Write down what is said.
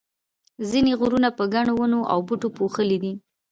ځینې غرونه په ګڼو ونو او بوټو پوښلي دي.